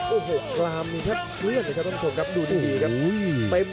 โอ้โหกลามครับดูดีครับ